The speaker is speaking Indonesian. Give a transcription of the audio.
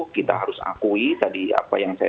kita harus akui tadi apa yang saya